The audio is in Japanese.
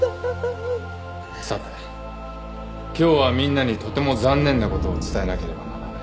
さて今日はみんなにとても残念なことを伝えなければならない。